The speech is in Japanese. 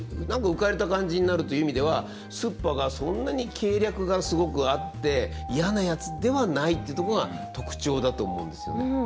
何か浮かれた感じになるという意味ではすっぱがそんなに計略がすごくあって嫌なやつではないっていうとこが特徴だと思うんですよね。